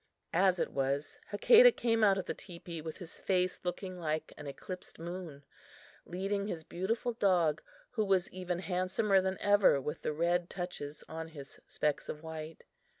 As it was, Hakadah came out of the teepee with his face looking like an eclipsed moon, leading his beautiful dog, who was even handsomer than ever with the red touches on his specks of white.